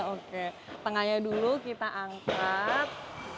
oke tengahnya dulu kita angkat